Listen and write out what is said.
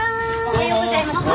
おはようございます。